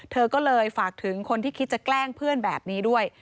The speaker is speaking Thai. เธอก็เลยฝากถึงคนที่คิดจะแกล้งเพื่อนแบบนี้ด้วย